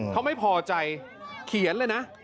เขาไม่พอใจเขียนเลยนะ